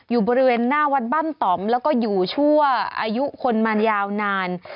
อยู่บริเวณหน้าวัดบ้านต่อมแล้วก็อยู่ชั่วอายุคนมายาวนาน